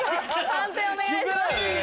判定お願いします。